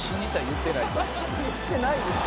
「言ってないです」